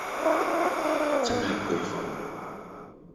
真系佩服